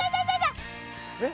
えっ？